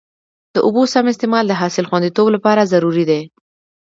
د اوبو سم استعمال د حاصل خوندیتوب لپاره ضروري دی.